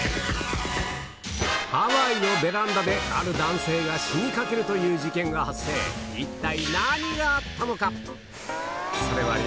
ハワイのベランダである男性が死にかけるという事件が発生一体何があったのか？